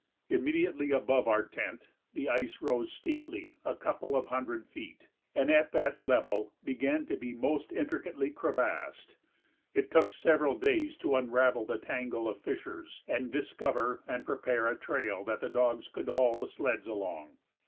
Immediately above our tent the ice rose steeply a couple of hundred feet, and at that level began to be most intricately crevassed. It took several days to unravel the tangle of fissures and discover and prepare a trail that the dogs could haul the sleds along.